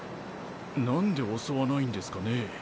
なんで襲わないんですかね？